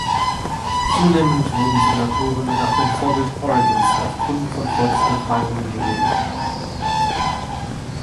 Zunehmend wurden Senatoren nach dem Vorbild Oregons aufgrund von Volksbefragungen gewählt.